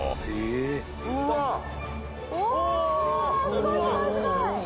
すごいすごいすごい！